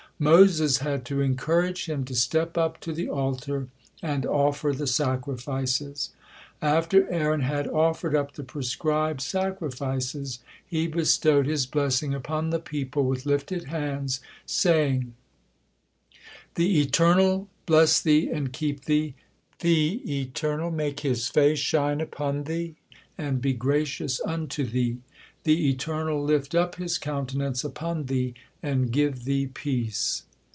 Moses had to encourage him to step up to the altar and offer the sacrifices. After Aaron had offered up the prescribed sacrifices, he bestowed his blessing upon the people with lifted hands, saying: "The Eternal bless thee and keep thee: The Eternal make His face shine upon thee and be gracious unto thee: The Eternal lift up His countenance upon thee and give thee peace."